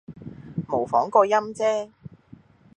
模仿個音啫